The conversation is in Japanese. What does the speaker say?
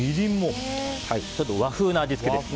ちょっと和風の味付けですね。